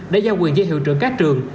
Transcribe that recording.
đã giao quyền cho hiệu trưởng các trường